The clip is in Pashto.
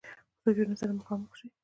سوچونو سره مخامخ شي -